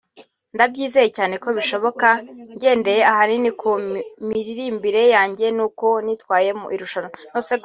ndabyizeye cyane ko bishoboka ngendeye ahanini ku miririmbire yanjye n’uko nitwaye mu irushanwa